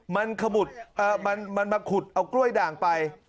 มันขมุดมันมาขุดเอากล้วยด่างไป